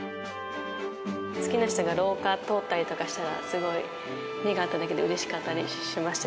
好きな人が廊下通ったりとかしたらすごい目が合っただけでうれしかったりしましたよね。